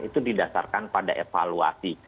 itu didasarkan pada evaluasi